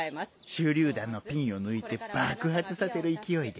手榴弾のピンを抜いて爆発させる勢いで。